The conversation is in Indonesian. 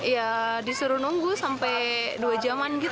ya disuruh nunggu sampai